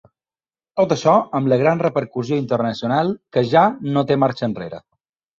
Tot això amb la gran repercussió internacional que ja no té marxa enrere.